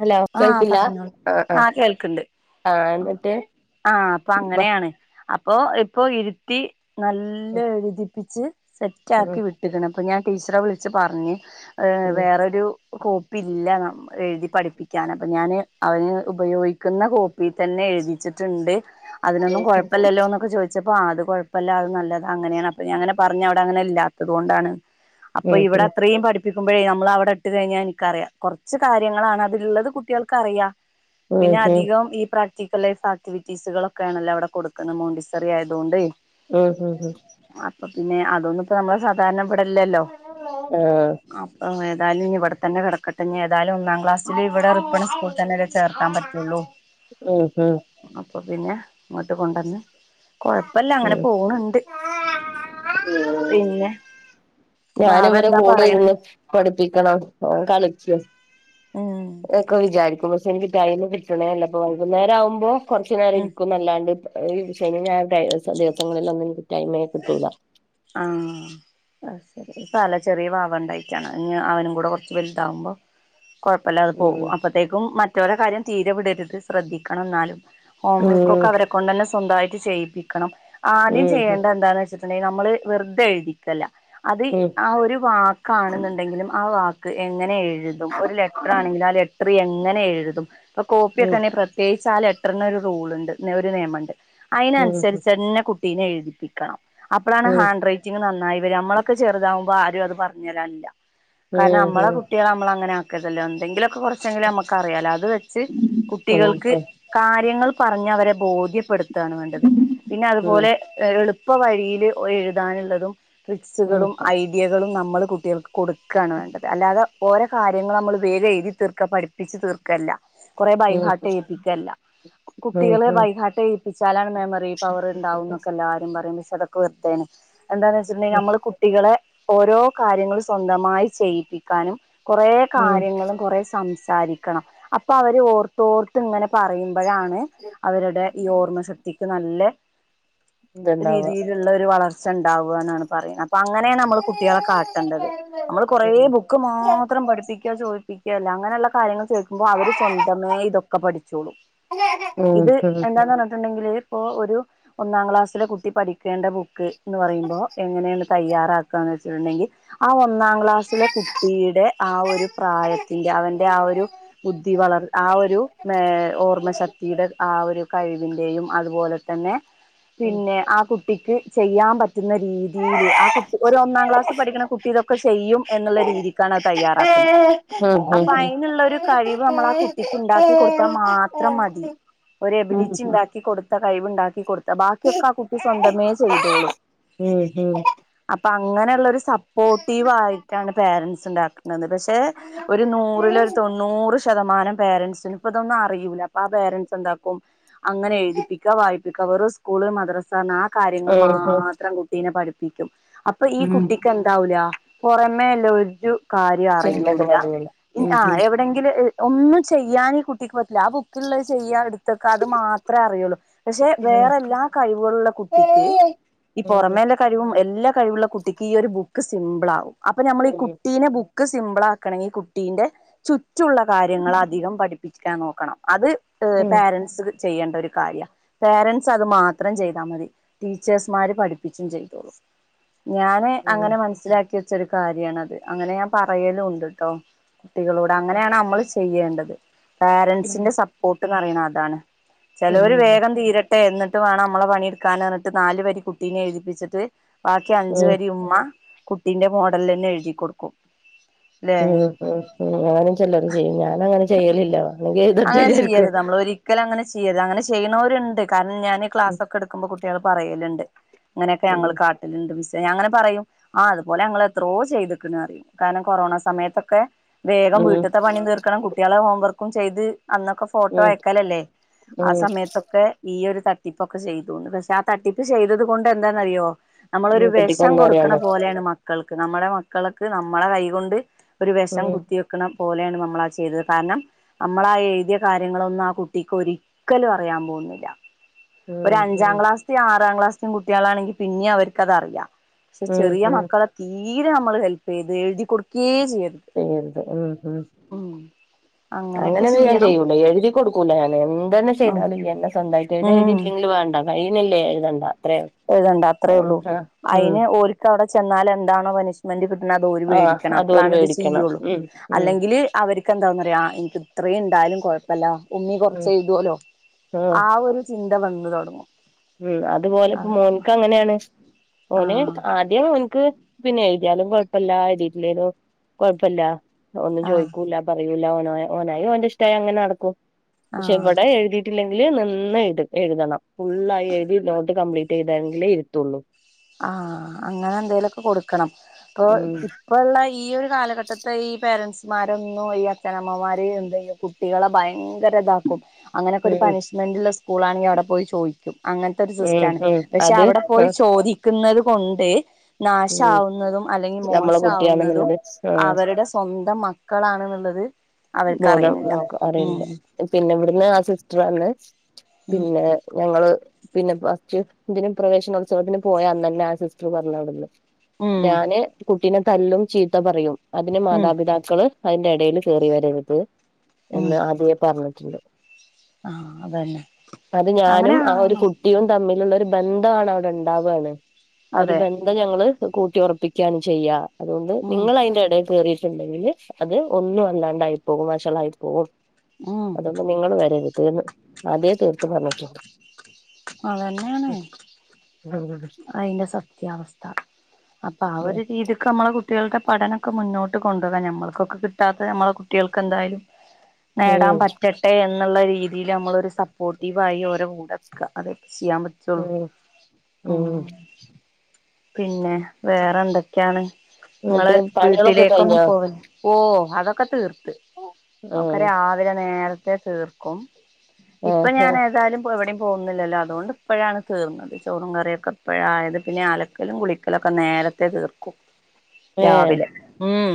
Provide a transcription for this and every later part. hello ആഹ് കേൾക്കില്ല പറഞ്ഞോളൂ ആ ആ ആഹ് കേൾക്ക്ണ്ട് ആ അന്നിട്ട് ആഹ് അപ്പൊ അങ്ങനെയാണ് ഇപ്പൊ ഇപ്പ ഇരുത്തി നല്ലോഎഴുതിപ്പിച്ച് സെറ്റ് ഉം ആക്കി വിട്ട് ക്ണ്പ്പൊ ഞാൻ ടീച്ചറെ വിളിച്ച് പറഞ്ഞ് ഏ വേറൊരു കോപ്പി ഇല്ല നമ് എഴുതി പഠിപ്പി ക്കാൻ അപ്പം ഞാൻ അവന് ഉപയോഗിക്കുന്ന കോപ്പി തന്നെ എഴുതിച്ചിട്ട്ണ്ട് അതിനൊന്നും കൊഴപ്പില്ലല്ലോന്നൊക്കെ ചോദിച്ച പ്പ അത് കൊഴപ്പല്ല അത് നല്ലതാ അങ്ങനെയാണ് അപ്പൊ ഞാ അങ്ങനെ പറഞ്ഞ അവിടെ അങ്ങനെല്ലാത്തത് കൊണ്ടാണ് അപ്പൊ ഉം ഉം ഉം ഇവിടെ അത്രയും പഠി പ്പിക്കുമ്പഴേ നമ്മളവിടെ ഇട്ട് കഴിഞ്ഞാൽ നിക്കറിയാം കൊറച്ച് കാര്യങ്ങളാണ് അതിലിള്ളത് ത് കുട്ടികൾക്കറിയാ പിന്നെ ഉം അധികം ഈ പ്ര ചിക്ക ലൈസ് ആക്ടിവിറ്റീസുകളൊക്കെ ആണല്ലോ അവിടെ കൊടുക്കുന്നത് മോണ്ടിസറി ആയതുകൊണ്ട് മ് മ് മ് അപ്പ പിന്നെ അതൊന്നും ഇപ്പ നമ്മളെ സാധാരണം ഇവിടെല്ലല്ലോ ആഹ് അപ്പം വേ ന്താലും ഞ്ഞി ഇവിടെത്തന്നെ കെടക്കട്ടെ ഞ്ഞി ഏതാലും ന്നാംക്ലാസില് ഇവിടെ വടെ സ്കൂൾ തന്നെലെ ചേർത്താൻ പറ്റുള്ളൂ ഉം ഉം പ്പം പിന്നെ ഇങ്ങോട്ട് കൊണ്ടന്ന് കൊഴപ്പല്ല അങ്ങനെ പോണ് ണ്ട് മ് ഞാന് വാവ ഇവരെ എന്താ കൂടെ പറയണ ഇരുന്ന് പഠിപ്പിക്കണം കളി ജെസ് ഉം ങ്ങനൊക്കെ വിചാരിക്കുണു എനിക്ക് കൈയ്യിമേ കിട്ടണേല്ല അപ്പ വൈകുന്നേരം ആവുമ്പോ കൊറച്ചു നേരം ഉം ഇരിക്കുന്നല്ലാണ്ട് പണിയിണ്ട് ശനി ഞാൻ ദേവസ ദിവസങ്ങളിൽ ഒന്നും എനിക്ക് ടൈമേ കിട്ടൂല ആ അയ്ശരി തല ചെറിയ വാവണ്ടായിട്ടാണ് ഞ്ഞി അവനും കൂടെ കൊറച്ച് വെലുതാവുമ്പോ കുഴപ്പല്ലാതെ ഉം പോകും അപ്പത്തേക്കും മറ്റവരെ കാര്യം തീരെ വിടരുത് ശ്രദ്ധിക്കണം ന്നാലും ഹോംവർക്കൊക്കെ ഉം അവരെ കൊണ്ടന്നെ സ് സ്വന്തായിട്ട് ചെയ്യിപ്പിക്കണം ആദ്യം ഉം ചെയ്യേണ്ടതെന്താന്ന് വെച്ചി നെ നമ്മള് വെറ്തെ എഴുതിക്കല്ല അത് ആ ഒരു വാക്കാണെന്നുണ്ടെങ്കിലും ആ വക്ക് എങ്ങനെയാണ് എഴ ഒരു ലെറ്റർ ആണെങ്കിൽ ആ ലെറ്റർ എങ്ങനെ എഴുതും ഇപ്പ കോപ്പിയൊക്കെെ പ്രത്യേകിച്ചാ പെട്ടനൊരു റൂൾുണ്ട് ഒരു നിയമുണ്ട് അയിന്നുസരിച്ച്ന്നെ കുട്ടീനെ എഴുതി പപ്പിക്കണം അപ്പളാണ് ഹാ നന്നായിര് നമ്മളൊെറുതാവുമോ പ്പ ആരും അത് പറഞ്ഞു തരില്ല കാരണം നമ്മളെ കുട്ടികൾെ നമ്മള അങ്ങനെ ല്ല എന്തെങ്കിലും നറ വെ കുട്ട ക പറഞ്ഞ അവരെ ബോധ്യപ്പെടുത്തി ാണ് വേണ്ടത് പിന്നെ അതുപോലെ ഇതുണ്ടാവ എ ഇപ്പ വഴിയിയില്ഴു എതാനുള്ളതും ട്രിക്സുകളും ഐഡിയകളും നമ്മ മല കുട്ടികൾ കൊടു ബക്കാണ് വേണ്ടത് അല്ലാതെ ഓരോ കാര്യങ്ങൾ നമ്മൾ വേറെ എഴുതി തീർക്കുക പഠിപ്പിച്ച് തീർക്കുകല്ല കുറെ ബൈഹാട്ട് ഏപ്പിക്കല്ല കുട്ടികളെ വൈകാട്ട് ഏപ്പ വി ചാലാണ് മെമ്മറി പവർണ്ടാവുംൊക്കെ എല്ലാവരും പറയ്പ സടക്ക വത്താണ് എന്താന്ന് വെച്ചിട്ടണ്ടെങ്കിൽ നമ്മള് കുട്ടികളെ ഓരോ കാര്യങ്ങളൾ സ്വന്തമായി ചെയ്യിപ്പിക്കാനും കുറേ കാര്യങ്ങളും കുറ സം വിസാരിക്കണം അപ്പൊ അവര് ഓർത്തോർത്ത് ഇങ്ങനെ പറയുന്ന ഇ്പഴാണ് അവരുടെ ഈ ഓർമ്മ ശക്തിക്ക് നല്ല രീതിയിലുള്ള ഒരു വളർ ഉണ്ടാവുകാണ് പറയുന്നത് അപ്പൊ അങ്ങനെയാണ് നമ്മള് കുട്ടികളെ കാട്ടേണ്ടത് നമ്മള് കൊറേ ഉം ബുക്ക് മാത്രം പഠിപ്പിക്കുക ചോ ചോതിപ്പിക്കുക അങ്ങനെയുള്ള കാര്യങ്ങൾ ചോദിക്കുമ്പോ അവര് സ്വന്തമേ ഇതൊക്കെ പഠിച്ചോളും ഇത് എന്താന്ന് പറഞ്ഞിട്ടുണ്ടെങ്കില് ഇപ്പോൾ ഒരു ഒന്നാം ക്ലാസ്സിലെ കുട്ടി പഠിക്കേണ്ട ബുക്ക് എന്ന് പറയുമ്പോ എങ്ങനെയാണ് തയ്യാറാക്കുകന്ന് വെച്ചിട്ടുണ്ടെങ്കിൽ ആ ഒന്നാം ക്ലാസ്സിലെ കുട്ടിയുടെ ആ ഒരു പ്രായത്തിന്റെ അവന്റെ ആ ഒരു ബുദ്ധി വളർ ആ ഒരു ഏ ഓർമ്മശക്തിയുടെ ആ ഒരു കഴിവിന്റെയും അതുപോലെ തന്നെ പിന്നെ ആ കുട്ടി ടിക്ക് ചെയ്യാം പറ്റുന്ന രീതിയില് ആ കുട്ടി ഒരു ഒന്നാം ക്ലാസ്സിൽ പഠിക്കുന്ന കുട്ടി ഇതൊക്കെ ചെയ്യും എന്നുള്ള രീതിക്കാണ് അത് തയ്യാറാക്കുന്നത് ഉം ഉം ഉം അപ്പൊ അതിനുള്ള ഒരു കഴിവ് നമ്മൾ ആ കുട്ടിക്ക് ഉണ്ടാക്കി കൊടുത്താൽ ഉം മാത്രം മതി ഒരു എബിലിറ്റി ഉണ്ടാക്കിക്കൊടു കൈവ്ണ്ടാക്കി കൊടു ബാക്കിയൊക്കെ ആ കുട്ടി സ്വന്തമേ ചെയ്തോളും ഉം ഉം അപ്പൊ അങ്ങനെയുള്ള ഒരു സപ്പോർട്ടീവായിട്ടാണ് പേരൻസ് ഉണ്ടാ പക്ഷെ ഒരു നൂറില് ഒരു തൊണ്ണൂറ് ശ ശതമാനം പേരൻസിന് ഇപ്പ ഇതൊന്നും അറിയൂല ആ പേരൻസ് എന്താക്കും അങ്ങനെ എഴുതിപ്പിക്കാ വായി മിക്കവാറും സ്കൂളി മദ്രസാ കാര്യങ്ങൾ മാ ഉം ഉം കുട്ടീനെ പഠിപ്പിക്കും അപ്പൊ ഈ ഉം കുട്ടിക്ക് എന്താവൂല പുറമേല്ല ഒരു കാര്യം ചിന്തക്കെ അറിയൂല്ല പറഞ്ഞില്ല ഉം ആഹ് എവിടെങ്കിലു ഒന്നും ചെയ്യാൻ ഈ കുട്ടിക്ക് പറ്റില്ല ആ ബുക്കുള്ളത് ചെയ്യാ എടു തൊക്കെ അത് മാത്രേ അറിയുള്ളൂ പക്ഷെ വേറെ എല്ലാ കഴിവുകളുള്ള കുട്ടിക്ക് ഈ പുറമേള്ള കഴിവും എല്ലാ കഴിവുള്ള കുട്ടിക്ക് ഈ ഒരു ബുക്ക് സിമ്പിൾ ആകും അപ്പൊ നമ്മൾ ഈ കുട്ടീനെ ബു ക്ക് സിംമ്പിളാക്കണങ്കി കുട്ടീന്റെ ചുറ്റുള്ള കാര്യങ്ങളധികം പഠിപ്പിക്കാൻ നോക്കണം അത് പേരന്റ്സ് ചെയ്യേണ്ട ഒരു കാര്യാ പേരൻ്റ്സ് അത് മാത്രം ചെയ്താ മതി ടീച്ചേഴ്സ് മാരെ പഠിപ്പിച്ചും ചെയ്തോളും ഞാനെ അങ്ങനെ മനസ്സിലാക്കി ച്ചൊരു കാര്യാണതെ അങ്ങനെ ഞാൻ പറയലുമ്ണ്ട് കേട്ടോ കുട്ടികളോടെ അങ്ങനെ ആണ് അ മ്മളെ ചെയ്യേണ്ടത് പാരന്റ്സിന്റെ സപ്പോർട്ട് ന്നറിയണം അതാണ് ചെലരു ഉം വേഗം തീരട്ട് ട്ടെ എന്നിട്ട് വേണം മ്മളെ പണിഎടുക്കാൻ എന്നിട്ട് നാല് വരി കുട്ടീനെ എഴുതിപ്പിച്ചിട്ട് ബാക്കി അഞ്ചു വരി ഉമ്മ കുട്ടീന്റെ മോഡലന്നെ എഴുതി കൊടുക്കും ല്ലെ ഉ ഉ ഉ അങ്ങനും ചെല്ലരു ചെയ്യും ഞാനങ്ങനെ ചെയ്യലില്ല അങ്ങനെ ചെയ്യരുത് നമ്മൾ ഒരിക്കലും അങ്ങനെ ചെയ്യരുത് അങ്ങനെ ചെയ്യണവരുണ്ട് കാരണം ഞാനീ ഉം ക്ലാസ്സൊക്കെടുക്കുമ്പോ ട്ടികൾ പറയലുണ്ട് അങ്ങനൊക്കെ ഞങ്ങളെ കാട്ടലുണ്ടുംസ് തെങ്ങനെ പറയും ആ അതു പോലെ ഞങ്ങൾ എത്രയോ ചെയ്തേക്കണറിയും കാരണം കൊറോണ സമയത്തൊക്കെ ഉം വേഗം ഉം വീട്ടത്തെ പണീം തീർക്കണം കുട്ടികളെ നോ വർക്കും ചെയ്ത് അന്നൊക്കെ ഫോട്ടോ ഉം അയക്കലല്ലേ ആ ഉം സമയത്തൊക്കെ ഈയൊരു തട്ടിപ്പൊക്കെ ചെയ്തോണ്ട് പക്ഷെ ആ തട്ടിപ്പ് ചെയ്തതും അതുകൊണ്ടെന്താണെന്നറിയോ നമ്മളൊരു ഉം വെഷം കുട്ടിക്കൊന്നും കൊടുക്കണ അറിയാണ്ട പോലെയാണ് മക്കൾ നമ്മുടെ മക്കളൊക്കെ നമ്മളെ കൈകൊണ്ട് ഒരു ഉം വെശം കുത്തിവെക്കണം പോലെയാണ് നമ്മളാ ചെയ്തത് കാരണം നമ്മളാ എഴുതിയ കാര്യങ്ങളൊന്നും ആ കുട്ടിക്ക് ഒരിക്കലും അറിയാൻ പോന്നില്ല ഒരു ഉം അഞ്ചാം ഉം ക്ലാസി ആറാം ക്ലാസ് പു കുട്ടികളാണെങ്കിൽ പിന്നേം അവർക്കതറിയാം പക്ഷെ ഉം ചെറിയ ഉം മക്കളെ തീ തീരെ നമ്മളു ഹെൽപ് ചെയ്ത് എഴുതി കൊടുക്കേയ് ചെയ്യരുതെ ഉം ഉം അങ്ങനെയൊക്കെ അങ്ങനൊന്നും ഞാൻ ചെയ്യണം ചെയ്യൂല്ല എഴുതി കൊടുക്കൂല ഞാൻ എന്തെന്ന ഉം ചെയ്താലും എന്റെ സ്വന്തായിട്ട് ഇത് ഉം എഴുതിട്ടല്ലെങ്കിലെ വേണ്ട കയിന്നില്ലേ എഴുതണ്ട അത്രേ എഴുതണ്ട അത്രേ ഉള്ളു ഉം അതിന് ഓൾക്ക് അവിടെ ചെന്നാലെന്താണോ പണിഷ്മെന്റ് കിട്ടണ അതോര് ആഹ് മേടിക്കണം അതൊരു അപ്പളാണത് മേടിക്കണം ചെയ്യുള്ളൂ ഉം ഉം അല്ലെങ്കിലെ അവർക്ക് എന്താന്നറയാ എനിക്ക് ഇത്രയും ഇ ണ്ടായാലും കൊഴപ്പില്ല [unintelligible] കുറച്ചു ഉം എഴുതുലോ ആഹ് ആ ഒരു [unintelligible] [unintelligible] വന്നു തുടങ്ങും ഉം അ [unintelligible] ഇപ്പോ മോൻക്ക് അങ്ങനെയാണ് ആ [unintelligible] ആദ്യം [unintelligible] പിന്നെ എഴുതിയാലും കുഴപ്പല്ല എഴുതിയിട്ടില്ലേലും കുഴപ്പല്ല ഒന്നും ആ ചോദിക്കൂല പറയൂല ഓനായി ഓന്റെ ഇഷ്ടായി അങ്ങനെ നടക്കും [unintelligible] ആഹ് [unintelligible] നിന്ന് [unintelligible] എഴുതണം ഫുൾ ആയിട്ട് എഴുതി നോട്ട് കംപ്ലീറ്റ് [unintelligible] ഇരുത്തുള്ളൂ ആ അങ്ങനെ എന്തേലൊക്കെ കൊടുക്കണം [unintelligible] ഉം ഇപ്പോൾ ഉള്ള ഈ ഒരു കാലഘട്ടത്തെ ഈ പേരെന്റ്സ്മരൊന്നും ഈ അച്ഛനമ്മമാര് എന്ത [unintelligible] കുട്ടികളെ ഭയങ്കര [unintelligible] അങ്ങനൊക്കെ ഒരു ഉം പണിഷ്മെന്റ് [unintelligible] [unintelligible] ആണെങ്കിൽ അവിടെ പോയി ചോദിക്കും അങ്ങനത്തെ ഒരു ഉം സിസ്റ്റാണ് ഉം പക്ഷെ അത് അവിടെ പോയി [unintelligible] [unintelligible] കൊണ്ട് ഉം നാശാവുന്നതും അല്ലെങ്കിൽ നമ്മളെ മോശമാവുന്നതും കുട്ടിയാണെന്നുള്ളത് ആഹ് അവരുടെ സ്വന്തം മക്കളാണെന്നുള്ളത് ബോധം അവർക്കറിയുന്നില്ല നോക്ക അറിയണ്ട് [unintelligible] പിന്നെ [unintelligible] പിന്നെ ഞങ്ങള് പിന്നെ [unintelligible] ഇതിനും പ്രവേശനോത്സവത്തിന് പോയാ അന്ന് തന്നെ ആ സിസ്റ്റർ പറഞ്ഞവിടുന്ന് ഉം ഞാൻ കുട്ടിനെ തല്ലും ചീത്ത പറയും അതിന് ഉം മാതാപിതാക്കള് അതിന്റെ ഇടയിൽ കയറി വരുന്നത് ഉം എന്ന് ആദ്യേ [unintelligible] [unintelligible] ആഹ് അതന്നെ അത് അങ്ങനെ ഞാനും ആ ഒരു ആവണം കുട്ടിയും തമ്മിലുള്ള ബന്ധമാണ് അവിടെ [unintelligible] ഒരു അതെ ബന്ധം [unintelligible] [unintelligible] കൂട്ടി ഉറപ്പിക്കുകയാണ് ചെയ്യ അതുകൊണ്ട് ഉം നിങ്ങൾ അതിന്റെ ഇടയിൽ കയറിയിട്ടുണ്ടെങ്കിൽ അത് ഒന്നും അല്ലാണ്ടായി പോകും വഷളായി പോകും ഉം അതോണ്ട് നിങ്ങൾ വരരുതെന്ന് അതേ [unintelligible] [unintelligible] അതന്നെയാണേ അതിന്റെ സത്യാവസ്ഥ അപ്പൊ ആ ഉം ഒരു രീതിക്ക് നമ്മള് കുട്ടികളുടെ പഠനമൊക്കെ മുന്നോട്ട് കൊണ്ടുപോകാൻ ഞമ്മൾക്കൊക്കെ കിട്ടാത്തെ നമ്മളെ കുട്ടികൾക്ക് എന്തായാലും നേടാൻ ഉം പറ്റട്ടെ എന്ന് ന്നുള്ള രീതിയില് നമ്മള് ഒരു സപ്പോർട്ടീവ് ആയി ഓരടെ കൂടെ നിക്കാ അതെ ഇസ്ലാംവെച്ചോ ഉം പിന്നെ വേറെ എന്തൊക്കെയാണ് നിങ്ങള് എന്നിട്ട് പണികളൊക്കെ വീട്ടിലേക്കൊന്നും കഴിഞ്ഞോ പോകല്ലില്ലേ ഓ അതൊ ക്കെ തീർന്ന് നമുക്ക് ആഹ് രാവിലെ നേര ത്തെ തീർക്കും ഇപ്പൊ ആഹ് ഞാൻ ഏതായാലും പോയി എവിടെയും പോകന്നുന്നില്ലല്ലോ അതുകൊണ്ട് ഇപ്പോഴാണ് തീർന്നത് ചോറും കറിയൊക്കെ ഇപ്പോഴായത് പിന്നെ അലക്ക അലക്കലും കുളിക്കലൊക്കെ നേരത്തെ തീർക്കും ഏഹ് രാവില്ലെ ഉം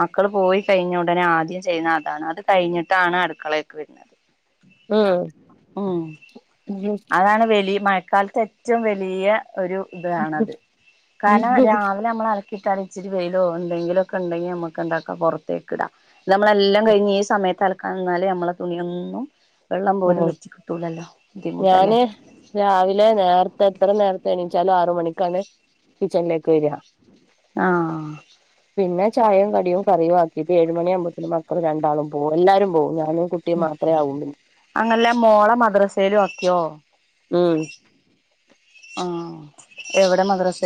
മക്കള് പോയി കഴിഞ്ഞാ ഉടനെ ആദ്യം ചെയ്യുന്ന അതാണ് അത് കഴിഞ്ഞിട്ടാണ് അടുക്കളേക്ക് വരുന്നത് ഉം മം അതാണ് വെലിയ മാറ്റ കാലത്ത് ഏറ്റവും വലിയ ഒരു ഇതാണത് കാരണം രാവിലെ നമ്മള് അല കിയിട്ടാല് ഇച്ചിരി വെയിലോ എന്തെങ്കിലും ഒക്കെ ഉണ്ടെങ്കി നമ്മുക്ക് എന്താക്കാം പൊ റത്തേക്ക് ഇടാം നമ്മളെല്ലാം കഴിഞ്ഞ് ഈ സമയത്ത് അലക്കാൻ നിന്നാല് നമ്മളെ തുണിയൊന്നും വെള്ളം പോലും വെച്ച് കിട്ടുല്ലല്ലോ ബുദ്ധിമു ഞാന് രാവിലെ നേരത്തെ എത്ര നേരത്തെ എണീച്ചാലും ആറ് മണിക്കാണ് കിച്ചണിലേക്ക് വരിക ആഹ് പിന്നെ ചായയും കടിയും കറിയും ആക്കിയിട്ട് ഏഴുമണിയാമ്പത്തേക്കും മക്കള് രണ്ടാളും പോവും എല്ലാരും പോവും ഞാ ഞാനും കുട്ടിയും മാത്രമേ ആവൂള്ളു ഇനി അങ്ങല്ലേ മോളേ മദ്രസയിലും ആക്കിയോ ഉം ആ എവിടെ മദ്രസ്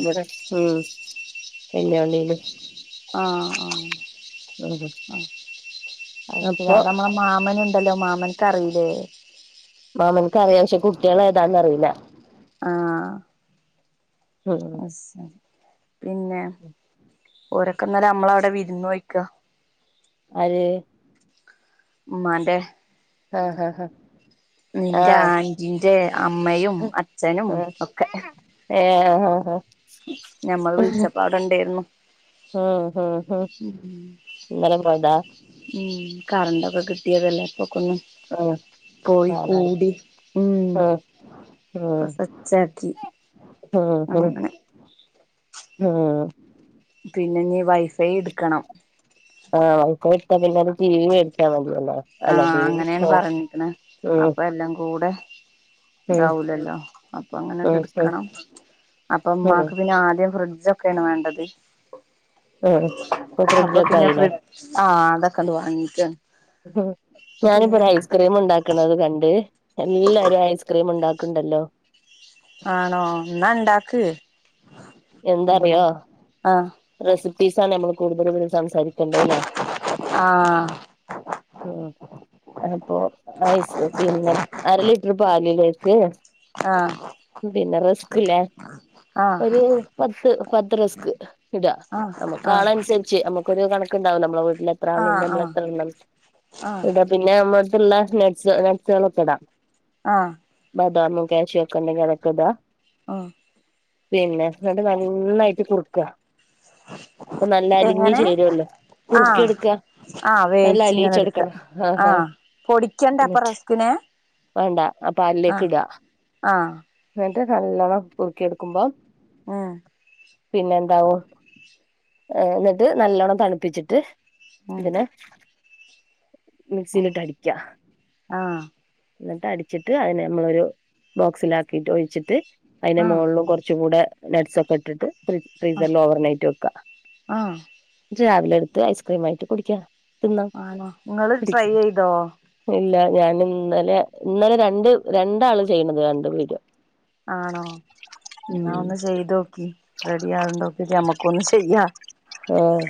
ഇവിടെ ഉം ഇല്ല ഒണ്ടേലും ആഹ ആ ഉം ആ അ ശരി അപ്പൊ അവിടെ നമ്മള മാമന ഉ ഹലോ മാമനക്ക്റിയില്ലേ മാമനക്ക് അറിയാം പക്ഷെ കുട്ടികള ഏതാന്നറിയില്ല അ പിന്നെ ഓരൊക്കെന്നാലും നമ്മള അവിടെ വിരുന്ന് വോയ്ക്ക അ ഉമ്മാന്റെ ആഹ് ഹഹ് ഹഹ ആഹ ജ അമ്മയും അച്ഛനും ഒക്കെ ഹ ഞമ്മൾ വിളിച്ചപ്പാട് ഉണ്ടായിരുന്നു ഉം ഉം ഇന്നലെ പോയതാ ഉ കറണ്ട്ൊക്കെ കിട്ടിയതെല്ല ന്ന ഉം പോയി കാണാന് കൂടി ഉം പ്രസച്ചാക്കി അങ്ങനെ ആഹ പിന്നെ നീ വൈഫൈ എടുക്കണം ആഹ് വൈ എടുത്താ പിന്നെെ ീ വി മേടിക്കാൻ മതി ആഹ അങ്ങനെയാണ് പറഞ്ഞിരിക്കുന്നത് ഉം അപ്പൊ എല്ലാം കൂടെ ഉം ഇതാവൂലല്ലോ അപ്പൊ അങ്ങനെ ഉം എന്ത ഉം എടുക്കണം അപ്പൊ ഉം ഉമ്മാക്ക് പിന്നെ ആദ്യം ഫ്രിഡ്് ഇതൊക്കെയാണ് വേണ്ടത് ഉം ഇപ്പൊ ഫ്രിഡ്ജൊക്കെ അപ്പൊത്തിന്നെ ആയില്ലേ ഫ്രി ആഹ് തക്കല് വാങ്ങിക്ക ഞാനിപ്പോൊ ഐസ്ക്രീം ഉണ്ടാക്കണത് കണ്ട് എല്ലാരരും ഐസ്ക്രീം ഉണ്ടാക്ക ണ്ടല്ലോ ആണോ എന്നാ ഇണ്ടക്ക് എന്താറിയോ ആഹ് റെസിപ്പി പീസ നമ്മൾ കൂടുത സംസാരിക്കണ്ട എന്നാ ആഹ് ഉ അഹ ഇ പിന്നെ അര ലിറ്റർ പാലില [unintelligible] ആഹ് പിന്നെ റിസ്ക്ല്ലേ ഒരു ബ് പത്ത് റസ്ക്ക് ആഹ് ആഹ് നമക്ക് ആളൻസര്ച്ച് നമുക്കൊരു കണക്കുണ്ടാവോല്ലോ നമ്മളെ വീട്ടിൽ എത്ര ആളീണ്ട് ആഹ് ആഹ് നമ്മള് എത്രണ്ണം ആഹ് ആഹ് പിന്നെ ള്ള നടസ്കളൊക്കെ ഇടാം ആഹ ബദാമും കാശ്യും ഒക്കെ ഉണ്ടെങ്കിൽ അതാണിടാ ആഹ പിന്നെ അ നന്നായിട്ട് കുറുക്കുക അപ്പൊ നല്ല അലിഞ്ഞു എങ്ങനെ ചേരുവല്ലോ കുറുക്കി ആഹ് എടുക്കുക ആഹ് വേവിച്ച് ങ്ങനെടുക്കുക ആഹ് പൊടിക്കണ്ടപ്പൊ എന്നിട്ട് റസ്കിനെ വേണ്ട ആ പാലിലേക്ക് ആഹ് ഇടുക ആഹ് എന്നിട്ട് നല്ലോണം കുറക്കി എടുക്കുമ്പോം ഉം പിന്നെ എന്താവും ആ എന്നിട്ട് നല്ലോണ്ണം തണുപ്പിച്ചിട്ട് ഉം ഏത് ഉം മിക്സിയിലിട്ട് അടിക്ക്ക ആഹ് എന്നിട്ട് അടിച്ചിട്ട് അതിനെ നമ്മളൊരു ബോക്സിലാക്കിട്ട് ഒഴിച്ചിട്ട് അതിന്റെ ആഹ് മുകളിൽ കുറച്ച് കൂടെ എസോക്കട്ടിട്ട് ഫ്രി ആഹ് ഫ്രീസറില് ഓവർനൈറ്റ് വെക്കുക ആഹ് രാവില എടുത്ത് ഐസ്ക്രീം ആയിട്ട് കുടിക്കാ ആണോ നിങ്ങള് ട്രൈ ചെയ്തോ ഇല്ല ഞാൻ ഇന്നലെ ഇന്നലെ രണ്ട് രണ്ടാള് ചെയ്യണത് കണ്ട് വിഡിയോ ആണോ എന്നാ ഒന്ന് ചെയ ചെയ്തോക്കി റെഡി ആകണ്ടോക്കി മ്മക്ക ഒന്ന് ചെയ്യാ ആഹ്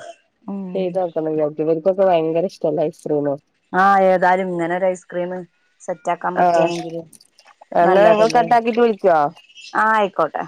ഉ ചെയ്തോക്കണം വിചാരിക്കും ഇവർക്കൊക്കെ ഭയങ്കര ഇഷ്ടല്ല ഇസ്രൂ ആഹ് ഏതാലും ഇങ്ങനെ ഒരു ഐസ്ക്രീം സെറ്റ് ആക്കാൻ ആഹ് പറ്റുകയാണെങ്കില് എന്നാ നിങ്ങൾ നല്ലതല്ലേ കട്ടാക്കിട്ട് വിളിക്കോ ആ ആയിക്കോട്ടെ